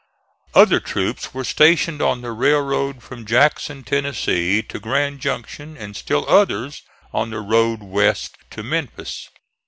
Other troops were stationed on the railroad from Jackson, Tennessee, to Grand Junction, and still others on the road west to Memphis.